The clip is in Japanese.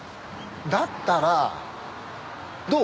だったらどう？